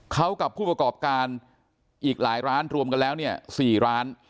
เขากับผู้ประกอบการอีกหลายร้านรวมกันแล้วเนี่ย๔ร้าน